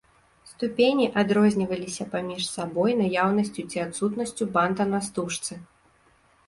Ступені адрозніваліся паміж сабой наяўнасцю ці адсутнасцю банта на стужцы.